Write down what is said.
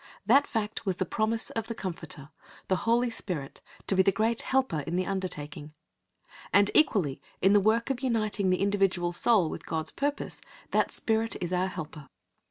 That fact was the promise of the Comforter, the Holy Spirit, to be the great Helper in the undertaking. And equally in the work of uniting the individual soul with God's purpose that Spirit is our Helper.